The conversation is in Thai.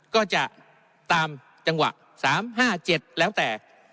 ก็จะตามจังหวะ๓๕๗แล้วแต่